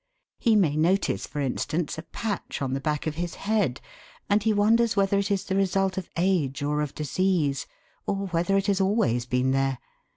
He may notice, for instance, a patch on the back of his head, and he wonders whether it is the result of age or of disease, or whether it has always been there.